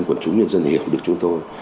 của chúng nhân dân hiểu được chúng tôi